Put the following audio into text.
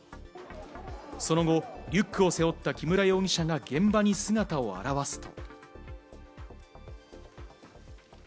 その後、リュックを背負った木村容疑者が現場に姿を現すと。